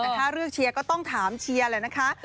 ถ้าเลือกเชียร์ก็ต้องถามเชียร์แหละนะคะ